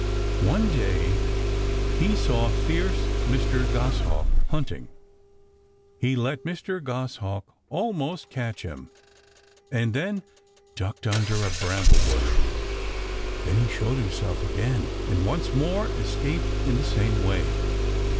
One day he saw fierce Mr. Goshawk hunting. He let Mr. Goshawk almost catch him, and then ducked under a bramble bush. Then he showed himself again and once more escaped in the same way.